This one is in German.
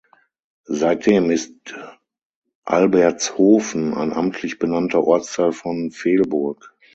Seitdem ist Albertshofen ein amtlich benannter Ortsteil von Velburg.